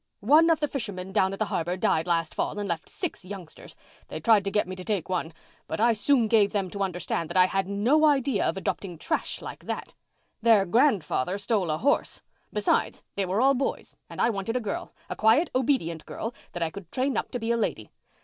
One of the fishermen down at the harbour died last fall and left six youngsters. They tried to get me to take one, but I soon gave them to understand that I had no idea of adopting trash like that. Their grandfather stole a horse. Besides, they were all boys and I wanted a girl—a quiet, obedient girl that I could train up to be a lady.